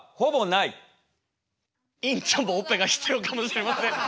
院長もオペが必要かもしれません。